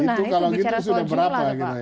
kalau gitu sudah berapa